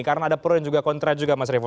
karena ada pro dan kontra juga mas revo